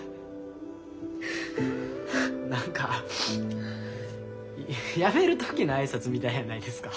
何かやめる時の挨拶みたいやないですか。